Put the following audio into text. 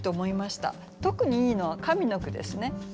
特にいいのは上の句ですね。